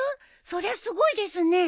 そりゃすごいですね。